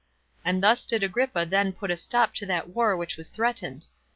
And thus did Agrippa then put a stop to that war which was threatened.